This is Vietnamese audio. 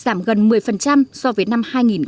giảm gần một mươi so với năm hai nghìn một mươi